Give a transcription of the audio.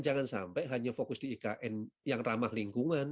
jangan sampai hanya fokus di ikn yang ramah lingkungan